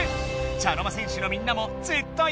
茶の間戦士のみんなもずっとよろしくな。